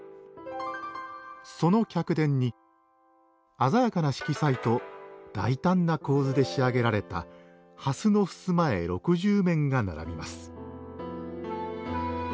その客殿に鮮やかな色彩と大胆な構図で仕上げられた蓮の襖絵６０面が並びます。